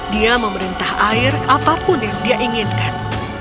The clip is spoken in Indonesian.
dia memerintah air apapun yang dia inginkan